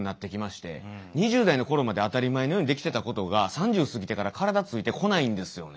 ２０代の頃まで当たり前のようにできてたことが３０過ぎてから体ついてこないんですよね。